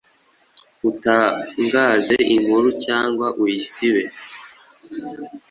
utangaze inkuru cyangwa uyisibe.